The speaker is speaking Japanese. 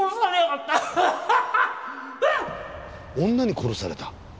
女に殺された？